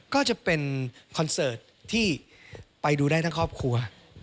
ก็จะเป็นคอนเสิร์ตที่ไปดูได้ทั้งครอบครัว